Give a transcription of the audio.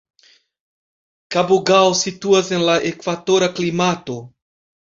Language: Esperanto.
Kabugao situas en la ekvatora klimato.